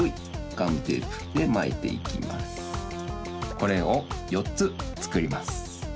これをよっつつくります。